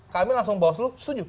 kami langsung bawaselu setuju